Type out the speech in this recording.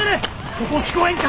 そこ聞こえんか？